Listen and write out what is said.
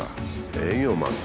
営業マンか。